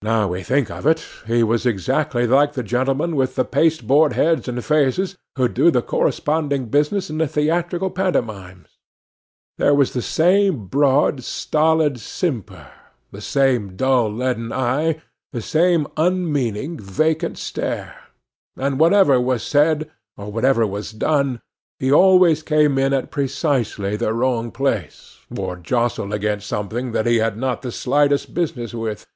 Now we think of it, he was exactly like the gentlemen with the pasteboard heads and faces, who do the corresponding business in the theatrical pantomimes; there was the same broad stolid simper—the same dull leaden eye—the same unmeaning, vacant stare; and whatever was said, or whatever was done, he always came in at precisely the wrong place, or jostled against something that he had not the slightest business with.